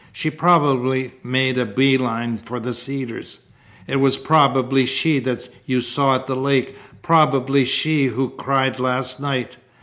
She probably made a bee line for the Cedars. It was probably she that you saw at the lake, probably she who cried last night.